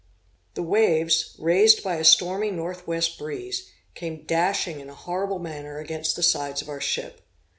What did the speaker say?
The waves, raised by a stormy northwest breeze, came dashing in a horrible manner against the sides of our ship.